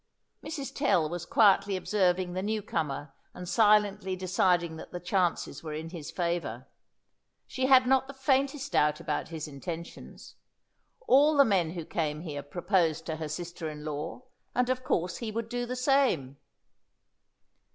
Mrs. Tell was quietly observing the new comer, and silently deciding that the chances were in his favour. She had not the faintest doubt about his intentions. All the men who came here proposed to her sister in law, and of course he would do the same.